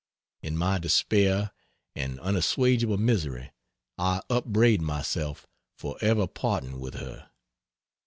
In my despair and unassuageable misery I upbraid myself for ever parting with her.